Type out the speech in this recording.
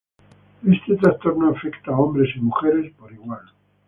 Este trastorno afecta a hombres y mujeres por igual.